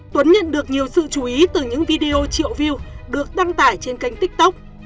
tuấn nhận được nhiều sự chú ý từ những video triệu view được đăng tải trên kênh tiktok